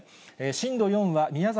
震度４は宮崎